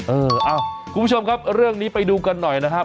เออคุณผู้ชมครับเรื่องนี้ไปดูกันหน่อยนะครับ